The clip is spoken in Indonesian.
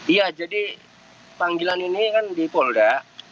iya jadi panggilan ini kan di polda